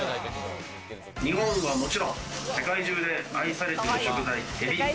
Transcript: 日本はもちろん、世界中で愛されている食材、エビ。